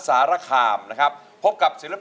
เพื่อจะไปชิงรางวัลเงินล้าน